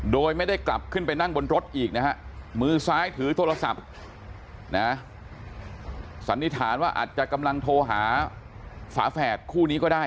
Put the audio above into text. โดยไม่ได้กลับขึ้นไปนั่งบนรถอีกนะฮะมือซ้ายถือโทรศัพท์นะสันนิษฐานว่าอาจจะกำลังโทรหาฝาแฝดคู่นี้ก็ได้